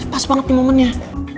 pas banget nih momennya